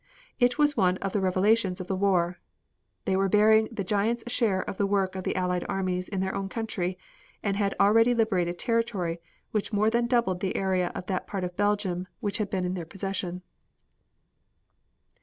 It was one of the revelations of the war. They were bearing the giant's share of the work of the Allied armies in their own country, and had already liberated territory which more than doubled the area of that part of Belgium which had been in their possession.